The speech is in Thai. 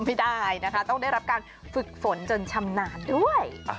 ไม่ได้นะคะต้องได้รับการฝึกฝนจนชำนาญด้วย